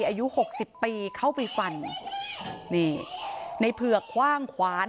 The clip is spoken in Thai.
อายุหกสิบปีเข้าไปฟันนี่ในเผือกคว่างขวาน